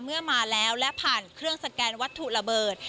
เมื่อมาแล้วและผ่านเครื่องสแกนวัตถุระเบิด